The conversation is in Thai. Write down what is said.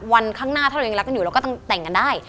วันข้างหน้าถ้าเรายังรักกันอยู่เราก็ต้องแต่งกันได้